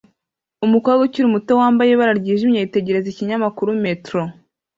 Umukobwa ukiri muto wambaye ibara ryijimye yitegereza ikinyamakuru metro